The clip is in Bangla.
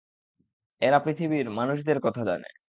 এরা পৃথিবীর মানুষদের কথা জানে।